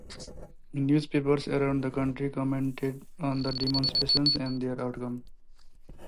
Newspapers around the country commented on the demonstrations and their outcome.